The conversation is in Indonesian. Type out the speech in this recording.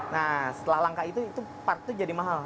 nah setelah langka itu part itu jadi mahal